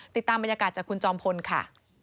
ติดตามบรรยากาศจากคุณจอมพลค่ะ